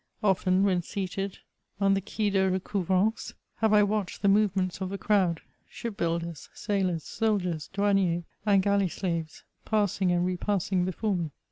Often, when seated on the Quay de Recou* vrance, have I watched the movements of the crowd ; ship builders, sailors, soldiers, douaniers and galley slaves, pass ing and repassing before me.